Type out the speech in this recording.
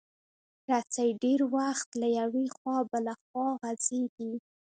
رسۍ ډېر وخت له یوې خوا بله خوا غځېږي.